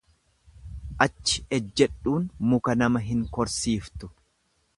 Achi ejjedhuun muka nama hin korsiiftu.